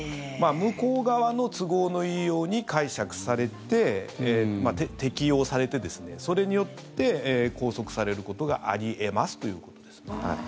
向こう側の都合のいいように解釈されて適用されてそれによって拘束されることがあり得ますということです。